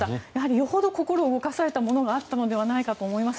よほど心を動かされたものがあったんじゃないかと思います。